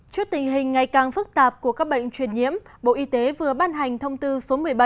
trước tình hình ngày càng phức tạp của các bệnh truyền nhiễm bộ y tế vừa ban hành thông tư số một mươi bảy